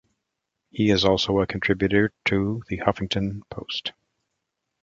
He is also a contributor to "The Huffington Post".